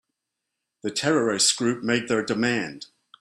The terrorist group made their demand.